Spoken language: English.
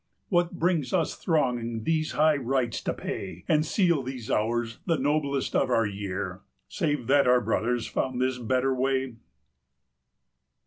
What brings us thronging these high rites to pay, And seal these hours the noblest of our year, 230 Save that our brothers found this better way?